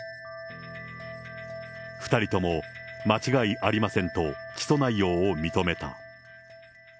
２人とも間違いありませんと、起訴内容を認めた。